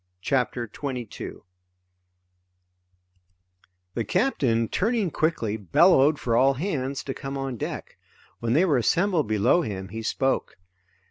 CHAPTER 22 The captain, turning quickly, bellowed for all hands to come on deck. When they were assembled below him he spoke.